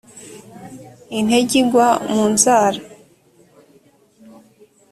intege igwa mu nzara